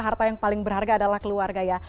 harta yang paling berharga adalah keluarga ya